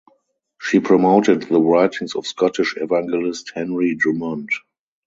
She promoted the writings of Scottish evangelist Henry Drummond.